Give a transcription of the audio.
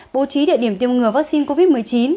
bố trí địa điểm tiêm ngừa vaccine covid một mươi chín